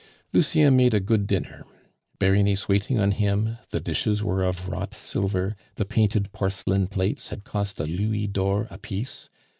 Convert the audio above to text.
Lucien made a good dinner. Berenice waiting on him, the dishes were of wrought silver, the painted porcelain plates had cost a louis d'or apiece.